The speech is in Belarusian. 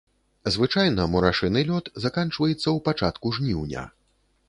Звычайна мурашыны лёт заканчваецца ў пачатку жніўня.